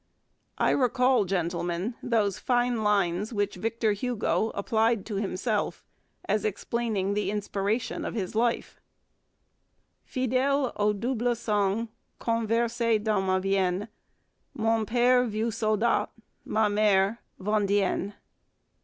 I recall, gentlemen, those fine lines which Victor Hugo applied to himself, as explaining the inspiration of his life: Fidèle au double sang qu'ont versé dans ma veine, Mon père vieux soldat, ma mère vendéenne.